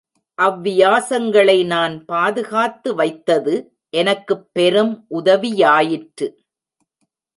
அவ்வியாசங்களை நான் பாதுகாத்து வைத்தது எனக்குப் பெரும் உதவியாயிற்று.